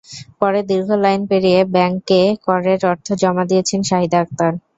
পরে দীর্ঘ লাইন পেরিয়ে ব্যাংকে করের অর্থ জমা দিয়েছেন শাহিদা আক্তার।